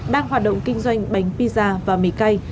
đang hoạt động kinh doanh bánh pizza và mì cây